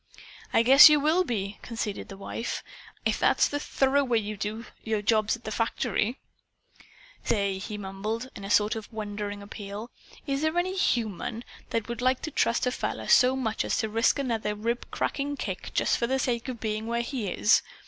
"I guess you will be," conceded his wife. "If that's the 'thorough' way you do your jobs at the factory " "Say," he mumbled in a sort of wondering appeal, "is there any HUMAN that would like to trust a feller so much as to risk another ribcracking kick, just for the sake of being where he is?